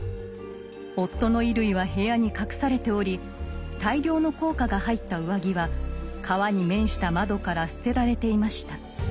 夫の衣類は部屋に隠されており大量の硬貨が入った上着は川に面した窓から捨てられていました。